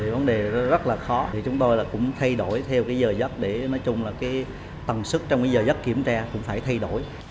vấn đề rất là khó chúng tôi cũng thay đổi theo giờ giấc để tầng sức trong giờ giấc kiểm tra cũng phải thay đổi